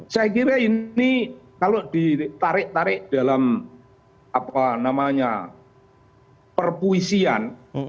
saya kira ini kalau ditarik tarik dalam perpuisian